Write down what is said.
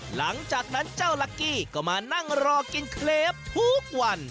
หลังจากนั้นเจ้าลักกี้ก็มานั่งรอกินเคลปทุกวัน